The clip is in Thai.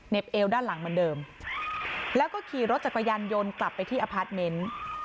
เอวด้านหลังเหมือนเดิมแล้วก็ขี่รถจักรยานยนต์กลับไปที่อพาร์ทเมนต์